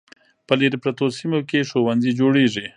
په لیرې پرتو سیمو کې ښوونځي جوړیږي.